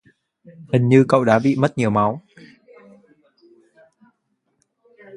Hình như cậu đã bị mất nhiều máu